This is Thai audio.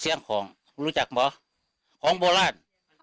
เสียงของรู้จักเหรอของโบราณ